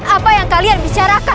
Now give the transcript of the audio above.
apa yang kalian bicarakan